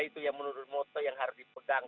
itu yang menurut moto yang harus dipegang